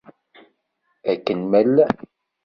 Akken ma llan.